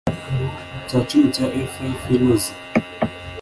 cya cumi cya efa y ifu inoze